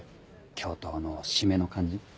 教頭の締めの漢字。